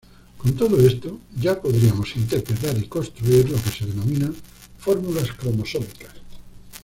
Con todo esto ya podríamos interpretar y construir lo que se denominan "fórmulas cromosómicas".